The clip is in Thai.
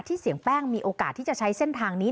เสียงแป้งมีโอกาสที่จะใช้เส้นทางนี้